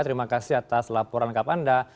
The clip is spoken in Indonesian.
terima kasih atas laporan kapan anda